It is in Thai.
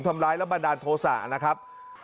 ทำร้ายและบันดาลโทษะนะครับ